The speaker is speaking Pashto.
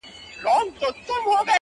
د زړه په هر درب كي مي ته اوســېږې،